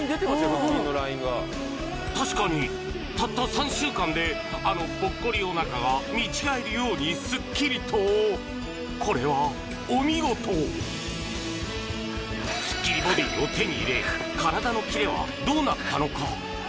腹筋のラインが確かにたった３週間であのぽっこりおなかが見違えるようにスッキリとこれはお見事スッキリボディを手に入れ体のキレはどうなったのか？